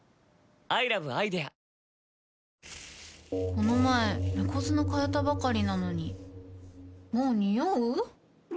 この前猫砂替えたばかりなのにもうニオう？